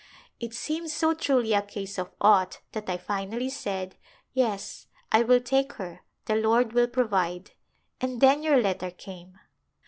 It seemed so truly a case of ' ought ' that I finally said, ' Yes, I will take her; the Lord will provide,' — and then your letter came.